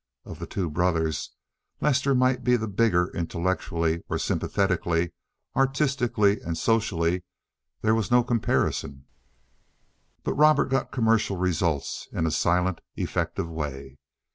Of the two brothers, Lester might be the bigger intellectually or sympathetically—artistically and socially there was no comparison—but Robert got commercial results in a silent, effective way.